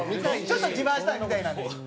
ちょっと自慢したいみたいなんです。